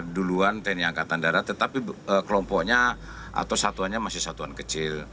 duluan tni angkatan darat tetapi kelompoknya atau satuannya masih satuan kecil